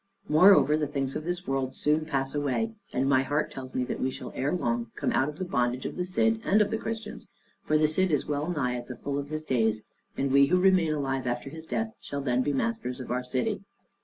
Moreover the things of this world soon pass away, and my heart tells me that we shall ere long come out of the bondage of the Cid, and of the Christians; for the Cid is well nigh at the full of his days, and we who remain alive after his death shall then be masters of our city."